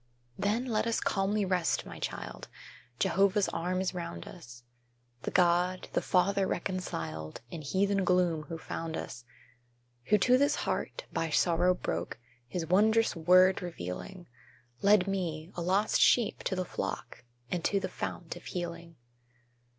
Then let us calmly rest, my child, Jehovah's arm is round us, The God, the Father reconciled, In heathen gloom who found us; Who to this heart, by sorrow broke, His wondrous WORD revealing, Led me, a lost sheep, to the flock, And to the Fount of Healing.